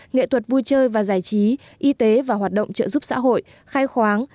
nghệ thuật vui chơi và giải trí y tế và hoạt động trợ giúp xã hội khai khoáng